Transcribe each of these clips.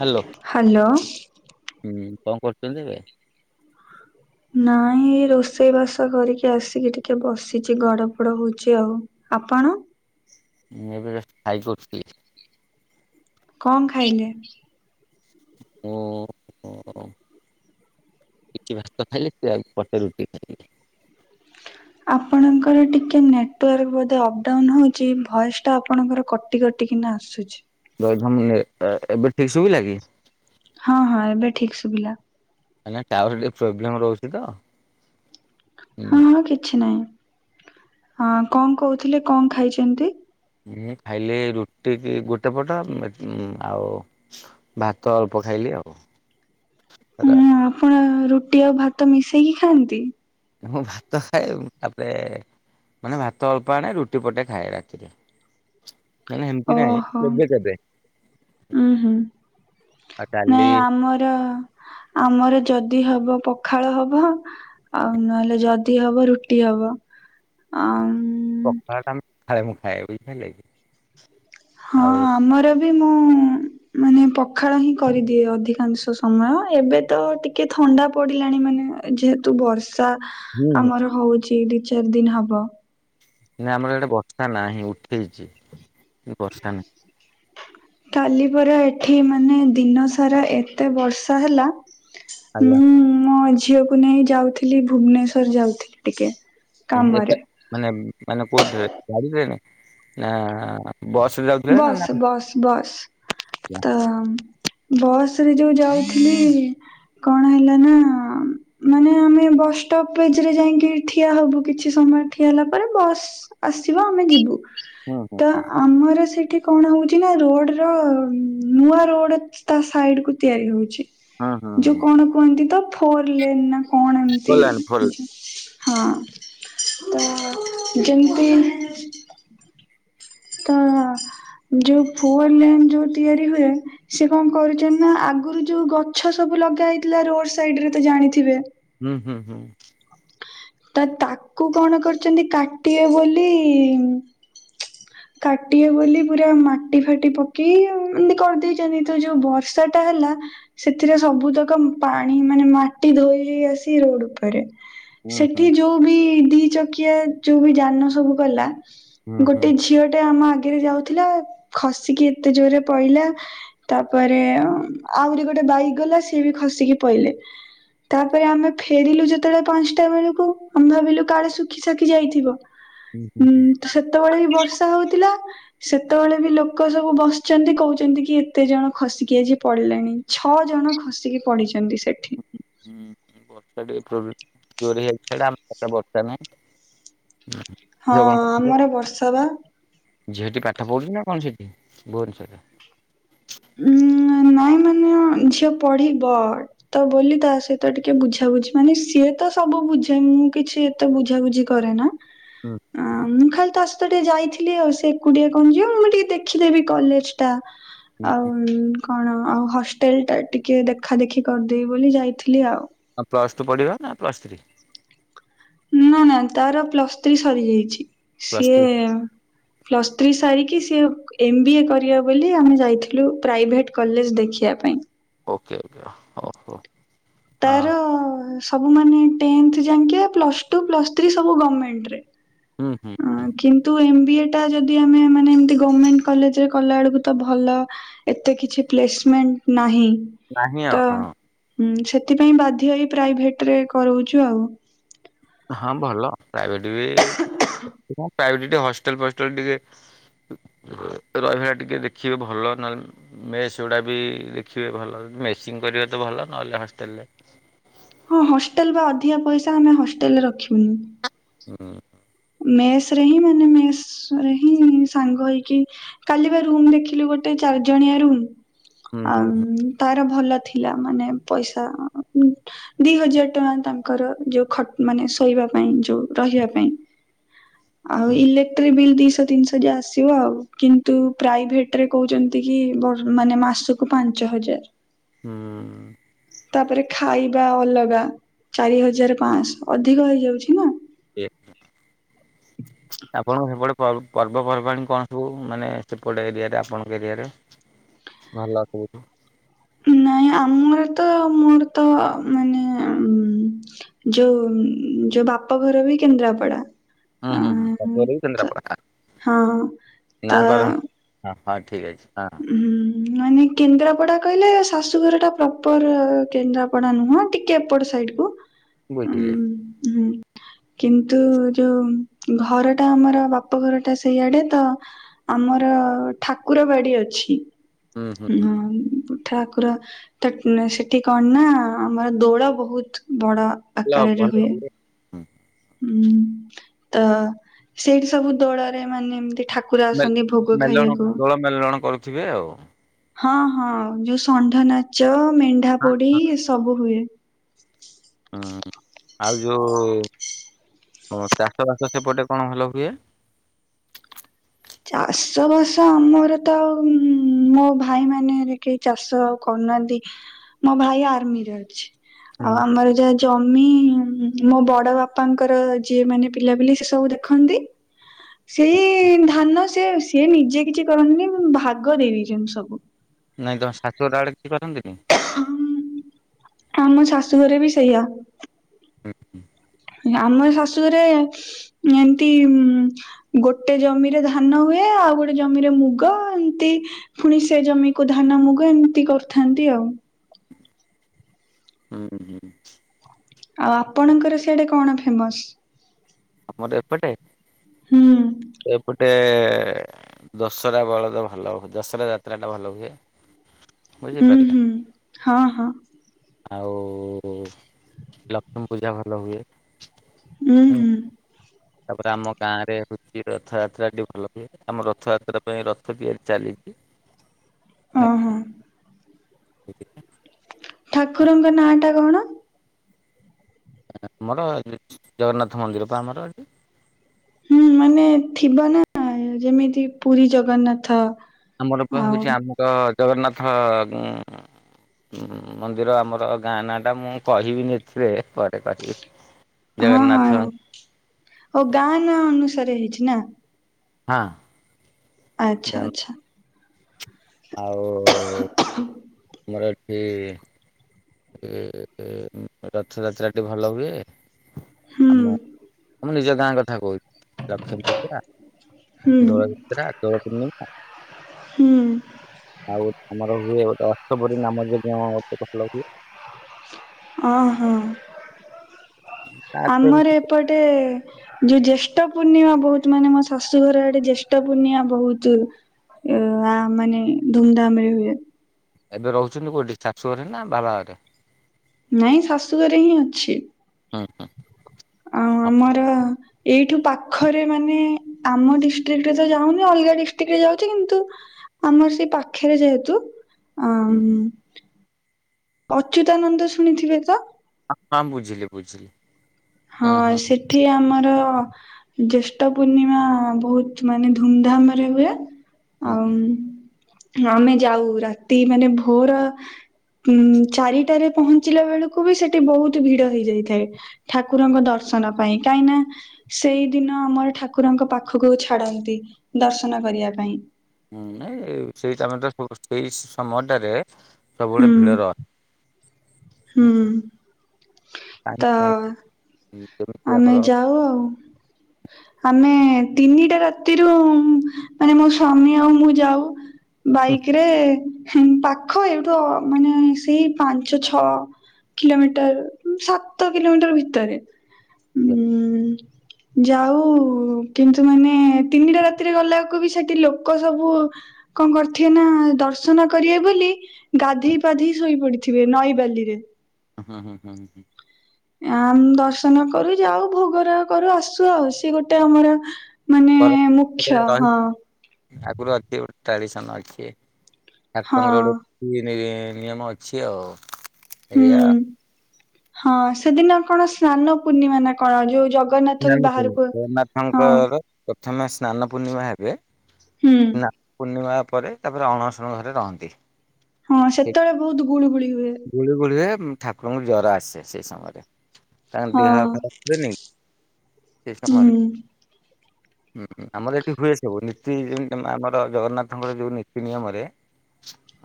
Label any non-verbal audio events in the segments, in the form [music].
Hello hello. କଣ କରୁଛନ୍ତି ଏବେ? ନାଇଁ ରୋଷେଇ ବାସ କରିକି ଆସିକି ଟିକେ ବସିଛି ଗଡ ପଡ ହଉଛି ଆଉ। ଆପଣ? ମୁଁ ଏବେ ଜଷ୍ଟ ଖାଇକି ଉଠିଲି। କଣ ଖାଇଲେ? ମୁଁ ଟିକେ ଭାତ ଖାଇଲି ସେ ଆଉ ପଟେ ରୁଟି ଖାଇଲି। ହଁ [inaudible] ଆପଣଙ୍କର ଟିକେ ନେଟୱାର୍କ ବୋଧେ ଅପଡାଉନ୍ ହଉଛି ଭଏସ୍ ଟା ଆପଣଙ୍କର କ କଟି କଟିକିନା ଆସୁଛି। [unintelligible] ଏବେ ଠିକ ଶୁଭିଲା କି? ହଁ ହଁ ଏବେ ଠିକ ସୁଭିଲା। ଆଜ୍ଞା ଟାୱାର ଟିକେ ପ୍ରୋବ୍ଲେମ ରହୁଛି ତ। ହୁଁ ହଁ ହଁ କିଛି ନାହିଁ। କଣ କହୁଥିଲେ କଣ ଖାଇଛନ୍ତି? ମୁଁ ଖାଇଲି ରୁଟି କି ଗୋଟେ ପଟ ଆଉ ଭାତ ଅଳ୍ପ ଖାଇଲି ଆଉ ହେଲା। ହୁଁ ଆପଣ ରୁଟି ଆଉ ଭାତ ମିଶେଇକି ଖାଆନ୍ତି? ମୁଁ ଭାତ ଖାଏ ଆବେ। ମାନେ ଭାତ ଅଳ୍ପ ଆଣେ ରୁଟି ପଟେ ଖାଏ ରାତିରେ। ନାନା ଏମିତି ନାଇଁ ଓହୋ। କେବେ କେବେ। ଉୁଁ ହୁଁ ଆଉ ଡାଲି ନାଇଁ ଆମର। ଆମର ଯଦି ହବ ପଖାଳ ହବ। ଆଉ ନହେଲେ ଯଦି ହବ ରୁଟି ହବ ଆଉ ପଖାଳ ଟା ମୁଁ ଖାଏ ମୁଁ ଖାଏ ବୁଝିପାରିଲେ କି। ହଁ ଆମର ବି ମୁଁ ହଁ ମାନେ [unintelligible] ପଖାଳ ହିଁ କରିଦିଏ ଅଧିକାଂଶ ସମୟ, ଏବେ ତ ଟିକେ ଥଣ୍ଡା ପଡ଼ିଲାଣି ମାନେ ଯେହେତୁ ବର୍ଷା ହୁଁ ଆମର ହଉଛି ଦି ଚାରି ଦିନ ହବ। ନାଇଁ ଆମର ଆଡେ ବର୍ଷା ନାହିଁ ଉଠେଇଛି କିନ୍ତୁ ବର୍ଷା ନାହିଁ। କାଲି ପରା ଏଠି ମାନେ ଦିନ ସାରା ଏତେ ବର୍ଷା ହେଲା ଆଜ୍ଞା। ମୁଁ ମୋ ଝିଅକୁ ନେଇ ଯାଉଥିଲି ଭୁବନେଶ୍ଵର ଯାଉଥିଲି ଟିକେ ହଁ କାମରେ ଏଟା ମାନେ ମାନେ କୋଉଥିରେ ଗାଡ଼ି ରେ ନା ନା ବସରେ ଯାଉଥିଲେ ବସ୍ ନା ବସ୍ ବସ୍। ତ ବସ ରେ ଯୋଉ ଯାଉଥିଲି କଣ ହେଲା ନା ମାନେ ଆମେ ବସ୍ ଷ୍ଟପଜରେ ଯାଇକି ଠିଆ ହବୁ କିଛି ସମୟ ଠିଆ ହେଲା ପରେ ବସ୍ ଆସିବ ଆମେ ଯିବୁ ହୁଁ ହୁଁ ତ ଆମର ସେ ସେଠି କଣ ହଉଛି ନା ରୋଡ ର ନୂଆ ରୋଡ ତା ସାଇଡ କୁ ତିଆରି ହଉଛି। ହଁ ହଁ ହଁ। ଯୋଉ କଣ କୁହନ୍ତିତ ତ ଫୋର ଲେନ ନା କଣ ଏମତି? ଫୋଲାନ୍ ଫୋଲ ହଁ ତ ଯେମିତି ତ ଯୋଉ ଫୋଅର ଲେନ୍ ଯୋଉ ତିଆରି ହୁଏ ସେ କଣ କରୁଚନ୍ତି ନା ଆଗରୁ ଯୋଉ ଗଛ ସବୁ ଲଗା ହେଇଥିଲା ରୋଡ ସାଇଡ ରେ ତ ଜାଣିଥିବେ। ହୁଁ ହୁଁ ହୁଁ। ତ ତାକୁ କଣ କରିଚନ୍ତି କାଟିବେ ବୋଲି କାଟିବେ ବୋଲି ପୁରା ମାଟି ଫାଟି ପକେଇ ଆଉ ଏମିତି କରିଦେଇଛନ୍ତି ତ ଯୋଉ ବର୍ଷା ଟା ହେଲା ସେଥିରେ ସବୁତକ ପାଣି ମାନେ ମାଟି ଧୋଇ ହେଇ ଆସି ରୋଡ ଉପରେ। ହୁଁ ହୁଁ। ସେଠି ଯୋଉ ବି ଦି ଚକିଆ ଯୋଉ ବି ଯାନ ସବୁ ଗଲା ହୁଁ ହୁଁ। ଗୋଟେ ଝିଅ ଟେ ଆମ ଆଗରେ ଯାଉଥିଲା ଖସିକି ଏତେ ଜୋରରେ ପଇଲା। ତାପରେ ଆହୁରି ଗୋଟେ ବାଇକ୍ ଗଲା ସିଏ ବି ଖସିକି ପଇଲେ। ତାପରେ ଆମେ ଫେରିଲୁ ଯେତେବେଳେ ପାଞ୍ଚ ସେତେବେଳକୁ ଆମେ ଭାବିଲୁ କାଳେ ଶୁଖି ଶାଖି ଯାଇଥିବ ହୁଁ ହୁଁ ଉଁ ହୁଁ। ତ ସେତେବେଳେ ବି ବର୍ଷ ବର୍ଷା ହଉଥିଲା। ସେତେବେଳେ ବି ଲୋକ ସବୁ ବସିଛନ୍ତି କହୁଛନ୍ତି କି ଏତେ ଜଣ ଖସିକି ଆଜି ପଡିଲେଣି। ଛଅ ଜଣ ଖସିକି ପଢଡିଚନ୍ତି ସେଠି। ହୁଁ ବର୍ଷା ଟିକେ ପ୍ରୋବ୍ଲେମ ଜୋରେ ହେଇଥିଲା ଆମ ଆଡେ ବର୍ଷା ନାହିଁ। ହଁ ଆମର ବର୍ଷା ବା [unintelligible] ଝିଅଟି ପାଠ ପଢୁଛି ନା କଣ ସେଠି ଭୁବନେଶ୍ଵରରେ। ଉଁ ନାଇଁ ମାନେ ଝିଅ ପଢିବ। ତ ବୋଲି ତା ସହିତ ଟିକେ ବୁଝାବୁଝି ମାନେ ସିଏ ତ ସବୁ ବୁଝେ ମୁଁ କିଛି ଏତେ ବୁଝାବୁଝି କରେ ନା। ହୁଁ ଆଁ ମୁଁ ଖାଲି ତା ସହ ତ ଟିକେ ଯାଇଥିଲି ଆଉ ସେ ଏକୁଟିଆ କଣ ଯିବ ମୁଁ ଟିକେ ଦେଖିଦେବି କଲେଜ ଟା। ହୁଁ। ଆଉ କଣ ଆଉ ହଷ୍ଟେଲ ଟା ଟିକେ ଦେଖା ଦେଖି କରିଦେବି ବୋଲି ଯାଇଥିଲି ଆଉ। ହଁ ପ୍ଲସ୍ ଟୁ ପଢ଼ିବା ନା ପ୍ଲସ୍ ଥ୍ରୀ। ନା ନା ତାର ପ୍ଲସ୍ ଥ୍ରୀ ସରିଯାଇଛି ପ୍ଲସ୍ ଥ୍ରୀ ସିଏ ପ୍ଲସ୍ ଥ୍ରୀ ସାରିକି ସିଏ ଏମ୍ ବି ଏ କରିବ ବୋଲି ଆମେ ଯାଇଥିଲୁ ପ୍ରାଇଭେଟ କଲେଜ ଦେଖିବା ପାଇଁ। ଓକେ ଆଜ୍ଞା ହଉ ହଉ। ତାର ସବୁମାନେ ଟେନ୍ଥ ଜାଙ୍କେ ପ୍ଲସ୍ ଟୁ, ପ୍ଲସ୍ ଥ୍ରୀ ସବୁ ଗମେଣ୍ଟ ରେ। ହୁଁ ହୁଁ। ହଁ କିନ୍ତୁ ଏମ ବି ଏ ଟା ଯଦି ଆମେ ମାନେ ଏମତି ଗମେଣ୍ଟ କଲେଜରେ କଲାଏଳକୁ ତ ଭଲ ଏତେ କିଛି ପ୍ଲେସମେଣ୍ଟ ନାହିଁ। ନାହିଁ ଆଉ ତ ହଁ। ହୁଁ ସେଥିପାଇଁ ବାଧ୍ୟ ହେଇ ପ୍ରାଇଭେଟ ରେ କରଉଛୁ ଆଉ। ହଁ ଭଲ ପ୍ରାଇଭେଟ ବି, ପ୍ରାଇଭେଟି ଟିକେ ହଷ୍ଟଲ ଫଷ୍ଟେଲ ଟିକେ ରହିବା ଟିକେ ଦେଖିବେ ଭଲ ନହେଲେ ମେସ୍ ଗୁଡ଼ା ବି ଦେଖିବେ ଭଲ, ଯଦି ମେସିଂ କରିବେ ତ ଭଲ ନହେଲେ ହଷ୍ଟେଲରେ ହଁ ହଷ୍ଟେଲ ବା ଅଧିକା ପଇସା ଆମେ ହଷ୍ଟେଲରେ ରଖିବୁନୁ। ହୁଁ। ମେସ ରେ ହିଁ ମାନେ ମେସ ରେ ହିଁ ସାଙ୍ଗ ହେଇକି କାଲି ବା ରୁମ ଦେଖିଲୁ ଗୋଟେ, ଚାରି ଜଣିଆ ରୁମ୍ ହୁଁ ହୁଁ ଆଉ ତାର ଭଲ ଥିଲା ମାନେ ପଇସା ଦି ହଜାର ଟଙ୍କା ତାଙ୍କର ଯୋଉ ଖଟ ମାନେ ଶୋଇବା ପାଇଁ ଯୋଉ ରହିବା ପାଇଁ। ଆଉ ହୁଁ ଇଲେକ୍ଟ୍ର ବିଲ୍ ଦୁଇଶହ ତିନିଶହ ଆସିବ ଆଉ, କିନ୍ତୁ ପ୍ରାଇଭେଟରେ କହୁଛନ୍ତି କି ମାନେ ମାସକୁ ପାଞ୍ଚ ହଜାର। ହୁଁ। ତାପରେ ଖାଇବା ଅଲଗା, ଚାରି ହଜାର ପାଶହ ଅଧିକ ହେଇଯାଉଛି ନା। ଏ ଆପଣଙ୍କ ସେପଟେ ପର୍ବପର୍ବାଣି କଣ ସବୁ ମାନେ ସେପଟେ ଏରିଆରେ ଆପଣଙ୍କ ଏରିଆରେ? ଭଲ ନାଇଁ ଆମର ତ ମୋର ତ ମାନେ ଯୋଉ ଯୋଉ ବାପ ଘର ବି କେନ୍ଦ୍ରାପଡା। ହୁଁ ଅ ହୁଁ ହୁଁ ବାପ ଘର ତ କେନ୍ଦ୍ରାପଡ଼ା, ହଁ ତ ନା କଣ? ହ ହଁ ଠିକ ଅଛି ହଁ। ଉଁ ମାନେ କେନ୍ଦ୍ରାପଡ଼ା କହିଲେ ଶାଶୁଘରଟା ପ୍ରପର କେନ୍ଦ୍ରାପଡ଼ା ନୁହଁ ଟିକେ ଏପଟ ସାଇଡ଼୍ ବୁଝିଲି। ହୁଁ। କିନ୍ତୁ ଯୋଉ ଘର ଟା ଆମର ବାପ ଘର ଟା ସେଇଆଡେ ତ ଆମର ଠାକୁର ବାଡି ଅଛି, ହୁଁ ହୁଁ ଉଁ ଠାକୁର ତ ସେଠି କଣ ନା ଆମର ଦୋଳ ବହୁତ ବଡ ଭଲ, ଭଲ କିରେ ହୁଁ ତ ସେଇଠି ସବୁ ଦୋଳରେ ମାନେ ଏମତି ଠାକୁ ମେଲ-ମେଲଣ ଦୋଳ ମେଲଣ କରୁଥିବେ ଆଉ। ହଁ ହଁ ଯୋଉ ଷଣ୍ଢ ନାଚ, ମେଣ୍ଢା ହଁ ପୋଡି ସବୁ ହୁଏ। ହୁଁ ଆଉ ଯୋଉ ଚାଷ ବାସ ସେପଟେ କଣ ଭଲ ହୁଏ? ଚାଷ ବାସ ଆମର ତ ଆଉ ମୋ ଭାଇ ମାନରେ କେହି ଚାଷ ଆଉ କରୁନାହାନ୍ତି। ମୋ ଭାଇ ଆର୍ମିରେ ଅଛି, ହୁଁ ଆଉ ଆମର ଯ ଜମି ମୋ ବଡ଼ ବାପାଙ୍କର ଯିଏ ମାନେ ପିଲା ପିଲି ସେ ସବୁ ଦେଖନ୍ତି। ସେଇ ଧାନ ସେ ସେ ନିଜେ କିଛି କରନ୍ତିନି ଭାଗ ଦେଇ ଦେଇଛନ୍ତି ସବୁ। ନାଇଁ ତମ ଶାଶୁ ଘର ଆଡ଼େ କେହି କରନ୍ତିନି। ହୁଁ ଆମ ଶାଶୁଘରେ ବି ସେଇଆ। ହୁଁ ହୁଁ। ଆମ ଶାଶୁରେ ଏମତି ଗୋଟେ ଜମିରେ ଧାନ ହୁଏ, ଆଉ ଗୋଟେ ଜମିରେ ମୁଗ ଏମିତି ପୁଣି ସେ ଜମିକୁ ଧାନ ମୁଗ ଏମିତି କରିଥାନ୍ତି ଆଉ। ହୁଁ ହଁ ହୁଁ। ଆଉ ଆପଣଙ୍କର ସେଆଡେ କଣ ଫେମସ୍? ଆମର ଏପଟେ ହୁଁ। ଏପଟେ ଦଶହରା ବଳଦ ଭଲ ଦଶହରା ଯାତ୍ରା ଟା ଭଲ ହୁଏ। ଉଁ ବୁଝିପାରିଲି ହୁଁ ହଁ ହଁ ଆଉ ଲକ୍ଷ୍ମୀ ପୂଜା ଭଲ ହୁଏ। ଉୁଁ ହୁଁ। ତାପରେ ଆମ ଗାଁ ରେ ହଉଛି ରଥଯାତ୍ରାଟି ଭଲ ହୁଏ ଆମ ରଥଯାତ୍ରା ପାଇଁ ରଥ ତିଆରି ଚାଲିଛି ଅ ହଁ। ଠାକୁରଙ୍କ ନାଁ ଟା କଣ? ଆମର ଏ ଜଗନ୍ନାଥ ମନ୍ଦିର ବା ଆମର ହୁଁ ମାନେ ଥିବ ନା ଯେମିତି ପୁରୀ ଜଗନ୍ନାଥ ଆମର ପା ଆଉ ହଉଛି ଆମର ଜଗନ୍ନାଥ ଉ ହୁଁ ମନ୍ଦିର ଆମର ଗାଁ ନା ଟା ମୁଁ କହିବିନି ଏଥିରେ ପରେ କହିବି। ହଁ ହଁ ଓ ଗାଁ ନା ଅନୁସାରେ ହେଇଛି ନା? ହଁ। ଆଚ୍ଛା ଆଚ୍ଛା। ଆଉ ଆମର ଏଠି ଏ ରଥଯାତ୍ରାଟି ଭଲ ହୁଏ। ହୁଁ ଆମ ଆମ ନିଜ ଗାଁ କଥା କହୁଛି ଲକ୍ଷ୍ମୀ ପୂଜା ହୁଁ। ଦୋଳଯାତ୍ରା ଦୋଳ ପୁର୍ଣ୍ଣିମା ହୁଁ ଆଉ ଆମର ହୁଏ ଗୋଟେ ଅଷ୍ଟପ୍ରହରୀ ନାମ ଯଗ୍ୟଂ ଗୋଟେ ଭଲ ହୁଏ। ଓ ହୋ ତାଠୁ ଏମିତି ଆମର ଏପଟେ ଯୋଉ ଜ୍ୟେଷ୍ଠ ପୂର୍ଣ୍ଣିମା ବହୁତ ମାନେ ମୋ ଶାଶୁଘର ଆଡେ ଜ୍ୟେଷ୍ଠ ପୂର୍ଣ୍ଣିମା ବହୁତ ଇଅ ମାନେ ଧୁମଧାମ ରେ ହୁଏ। ଏବେ ରହୁଛନ୍ତି କେଉଁଠି ଶାଶୁ ଘରେ ନା ବାବାଘରେ? ନାଇଁ ଶାଶୁଘରେ ହିଁ ଅଛି। ହଁ ହଁ। ଆଉ ଆମର ଏଇଠୁ ପାଖରେ ମାନେ ଆମ ଡିଷ୍ଟକ ରେ ତ ଯାଉନି ଅଲଗା ଡିଷ୍ଟ୍ରିକ୍ଟ ରେ ଯାଉଛି କିନ୍ତୁ ଆମର ସେଇ ପାଖରେ ଯେହେତୁ ଅ ହୁଁ। ଅଚ୍ୟୁତାନନ୍ଦ ଶୁଣିଥିବେ ତ? ହଁ ବୁଝିଲି ବୁଝିଲି। ହଁ ହୁଁ ହୁଁ ସେଠି ଆମର ଜେଷ୍ଠ ପୂର୍ଣ୍ଣିମା ବହୁତ ମାନେ ଧୁମଧାମ ରେ ହୁଏ। ହୁଁ ଆଉ ଆମେ ଯାଉ ରାତି ମାନେ ଭୋର ଉଁ ଚାରିଟାରେ ପହଞ୍ଚିଲା ବେଳକୁ ବି ସେଠି ବହୁତ ଭିଡ ହେଇଯାଇଥାଏ। ଠାକୁରଙ୍କ ଦର୍ଶନ ପାଇଁ କାହିଁକି ନା ସେଇ ଦିନ ଆମର ଠାକୁରଙ୍କ ପାଖକୁ ଛାଡନ୍ତି ଦର୍ଶନ କରିବା ପାଇଁ। ହୁଁ ନାଇଁ ସେଇଟମେ ତ ସେଇ ସମୟଟାରେ ସବୁ ବେଳେ ହୁଁ ଭିଡ ରହେ ହୁଁ ତ ରହେ ଯେମିତି ଆମର ଆମେ ଯାଉ ଆଉ, ଆମେ ତିନିଟା ରାତିରୁ ମାନେ ମୋ ସ୍ଵାମୀ ଆଉ ମୁଁ ଯାଉ ବାଇକ ରେ ପାଖ ଏଇଠୁ ମାନେ ସେଇ ପାଞ୍ଚ ଛଅ କିଲୋମିଟର ଉ ସାତ କିଲୋମିଟର ଭିତରେ। ହୁଁ ଉଁ ଯାଉ କିନ୍ତୁ ମାନେ ତିନିଟା ରାତିରେ ଗଲାଏକୁ ବି ସେଠି ଲୋକ ସବୁ କଣ କରିଥିବେ ନା ଦର୍ଶନ କରିବେ ବୋଲି ଗାଧେଇ ପାଧେଇ ଶୋଇ ପଡିଥିବେ ନଈବାଲିରେ। ଅଁ ହଁ ହୁଁ ହୁଁ ହୁଁ। ଆମ ଦର୍ଶନ କରୁ ଯାଉ ଭୋଗ ରାଗ କରୁ ଆସୁ ଆଉ ସିଏ ଗୋଟେ ଆମର ମାନେ ମୁଖ୍ୟ କର [inaudible] ରହି ହଁ ଆଗରୁ ଅଛି ଗୋଟେ ଟ୍ରାଡିସନ ଅଛି। ହଁ ଠାକୁରଙ୍କ ଗୋଟେ ନିତି ନିୟମ ଅଛି ଆଉ ଏଇଆ। ହୁଁ। ହଁ ସେଦିନ କଣ ସ୍ନାନ ପୂର୍ଣ୍ଣିମା ନା କଣ ଯୋଉ ଜଗ ସ୍ନାନ ପୂର୍ଣ୍ଣିମା ଜଗନ୍ନାଥଙ୍କର ପ୍ରଥମେ ସ୍ନାନ ପୂର୍ଣ୍ଣିମା ହେବେ ହୁଁ। ନା ପୂର୍ଣ୍ଣିମା ପରେ ତାପରେ ଅଣସଣ ଘରେ ରହନ୍ତି। ହଁ ସେ ସେତେବେଳେ ବୋହୁତ ଗୁଳୁ ଗୁଳି ହୁଏ। ଗୁଳି ଗୁଳି ହୁଏ ଠାକୁରଙ୍କୁ ଜର ଆସେ ସେଇ ସମୟରେ ତାଙ୍କ ଦେହ ହଁ ଖରାପ ହୁଏ ନି ସେଇ ହୁଁ ସମୟରେ। ହୁଁ ଆମର ଏଠି ହୁଏ ସବୁ ନୀତି ଯେମିତି ତମେ ଆମର ଜଗନ୍ନାଥଙ୍କର ଯୋଉ ନୀତି ନିୟମରେ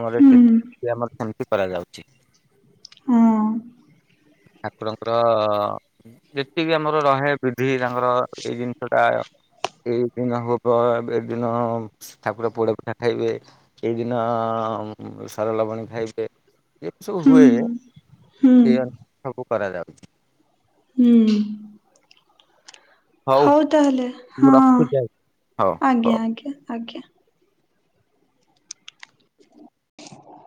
ଆମର ହୁଁ ଏଠି ସେ ଆମର ସେମିତି କରାଯାଉଛି। ହଁ। ଠାକୁରଙ୍କର ଯେତିକି ଆମର ରହେ ବିଧି ତାଙ୍କର ଏଇ ଜିନିଷଟା ଏଇ ଦିନ ହବ ଏଇ ଦିନ ଠାକୁର ପୋଡା ପିଠା ଖାଇବେ। ଏଇଦିନ ଉଁ ସର ଲବାଣୀ ଖାଇ ସେ ଏ ତ ସବୁ ହୁଏ ହୁଁ ହୁଁ। ସେଇ ଅନୁ ସବୁ କରାଯାଉଛି। ହୁଁ। ହଉ ହୋଉ ତାହେଲେ ମୁଁ ହଁ ରଖୁଛି ଆଉ ହଉ ହଉ। ଆଜ୍ଞା ଆଜ୍ଞା ଆଜ୍ଞା। [inaudible]